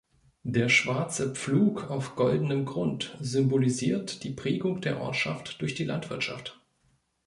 Der schwarze Pflug auf goldenem Grund symbolisiert die Prägung der Ortschaft durch die Landwirtschaft.